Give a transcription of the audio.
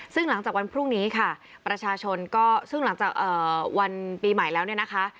ซึ่งหลังจากวันพรุ่งนี้ค่ะประชาชนก็ซึ่งหลังจากวันปีใหม่แล้วเนี่ยนะคะ